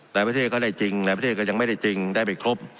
ประเทศก็ได้จริงหลายประเทศก็ยังไม่ได้จริงได้ไปครบ